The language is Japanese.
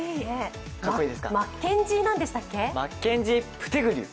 マッケンジー何でしたっけ？